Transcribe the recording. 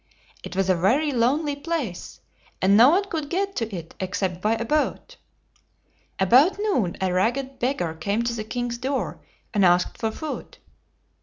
It was a very lonely place, and no one could get to it except by a boat. About noon a ragged beggar came to the king's door, and asked for food.